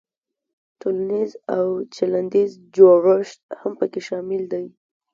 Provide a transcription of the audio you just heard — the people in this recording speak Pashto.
تولنیز او چلندیز جوړښت هم پکې شامل دی.